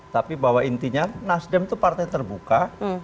tapi bahwa intinya nasdem itu partai terbuka